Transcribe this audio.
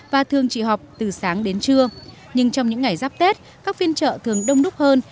và thường chỉ học từ sáng đến trưa nhưng trong những ngày giáp tết các phiên chợ thường đông đúc hơn